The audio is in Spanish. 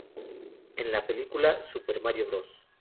En la película "Super Mario Bros.